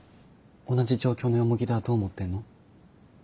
同じ状況の田はどう思ってんの？